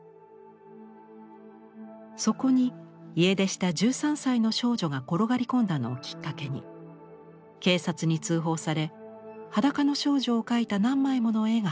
そこに家出した１３歳の少女が転がり込んだのをきっかけに警察に通報され裸の少女を描いた何枚もの絵が発見されます。